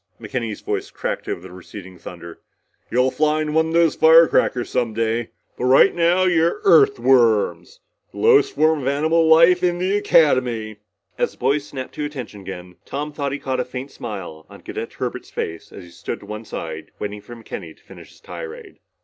McKenny's voice crackled over the receding thunder. "You'll fly one of those firecrackers some day. But right now you're Earthworms, the lowest form of animal life in the Academy!" As the boys snapped to attention again, Tom thought he caught a faint smile on Cadet Herbert's face as he stood to one side waiting for McKenny to finish his tirade.